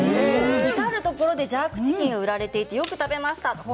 至る所でジャークチキンが売られていてよく食べました。